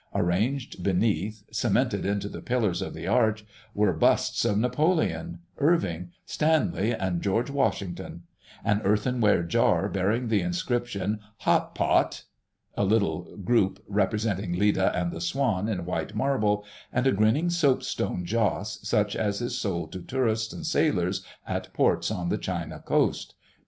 Arranged beneath, cemented into the pillars of the arch, were busts of Napoleon, Irving, Stanley, and George Washington; an earthenware jar bearing the inscription, "HOT POT"; a little group representing Leda and the Swan in white marble; and a grinning soapstone joss, such as is sold to tourists and sailors at ports on the China coast.